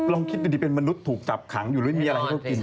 ลองคิดดูดีเป็นมนุษย์ถูกจับขังอยู่หรือมีอะไรให้เขากิน